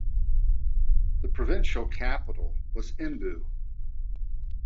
The provincial capital was Embu.